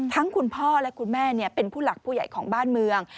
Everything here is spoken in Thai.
คุณพ่อและคุณแม่เป็นผู้หลักผู้ใหญ่ของบ้านเมือง